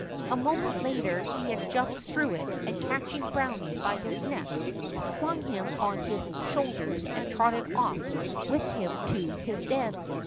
A moment later he had jumped through it, and catching Browny by the neck, flung him on his shoulders and trotted off with him to his den.